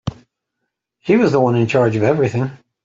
She was the one in charge of everything.